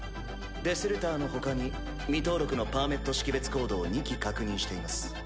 デスルターのほかに未登録のパーメット識別コードを２機確認しています。